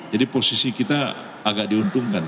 jadi posisi kita agak diuntungkan